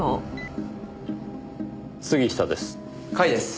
杉下です。